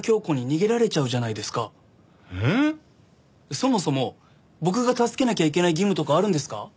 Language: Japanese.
そもそも僕が助けなきゃいけない義務とかあるんですか？